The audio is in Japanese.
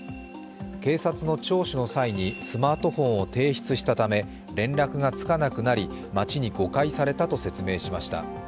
警察の聴取の際にスマートフォンを提出したため連絡がつかなくなり、町に誤解されたと説明しました。